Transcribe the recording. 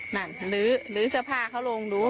นั่นลื้อเสื้อผ้าเขาลงดู